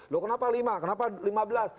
loh kenapa lima kenapa lima belas